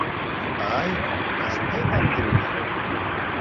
Ааи, ҳашԥеибамдыруеи.